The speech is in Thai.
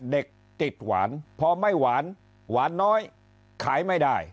เด็กติดหวานพอไม่หวานหวานน้อยขายไม่ได้